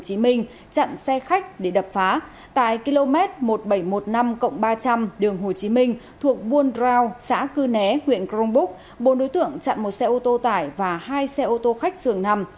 tại hồ chí minh trận xe khách để đập phá tại km một nghìn bảy trăm một mươi năm ba trăm linh đường hồ chí minh thuộc buôn rào xã cư né huyện cronbuk bốn đối tượng chặn một xe ô tô tải và hai xe ô tô khách dường nằm